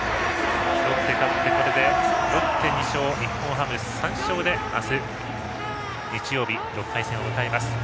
ロッテが勝ってこれでロッテ２勝日本ハム３勝であす日曜日の対戦を迎えます。